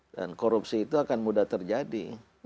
dan korupsi itu akan mudah terjadi